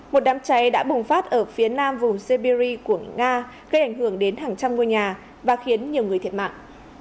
một đám cháy đã bùng phát ở phía nam vùng sebiri của nga gây ảnh hưởng đến hàng trăm ngôi nhà và khiến nhiều người thiệt mạng